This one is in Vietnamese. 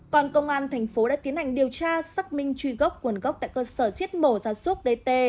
còn công an tp long khánh đã tiến hành điều tra xác minh truy gốc nguồn gốc tại cơ sở giết mổ gia súc dt